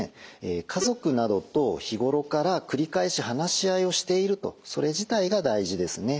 家族などと日頃から繰り返し話し合いをしているとそれ自体が大事ですね。